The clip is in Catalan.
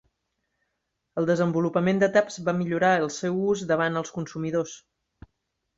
El desenvolupament de taps va millorar el seu ús davant els consumidors.